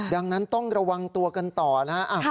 ดังนั้นต้องระวังตัวกันต่อนะครับ